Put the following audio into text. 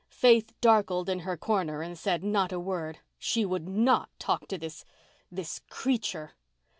Faith darkled in her corner and said not a word. She would not talk to this—this creature.